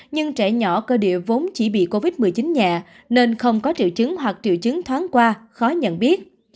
nhưng trẻ nhỏ cơ địa vốn chỉ bị covid một mươi chín nhẹ nên không có triệu chứng hoặc triệu chứng thoáng qua khó nhận biết